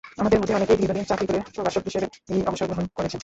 আমাদের মধ্যে অনেকেই দীর্ঘদিন চাকরি করে প্রভাষক হিসেবেই অবসর গ্রহণ করেছেন।